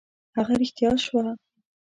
هغه رښتیا شوه.